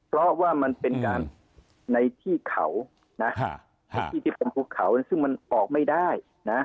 เพราะว่ามันเป็นการในที่เขาที่ทำพุทธเขาซึ่งออกไม่ได้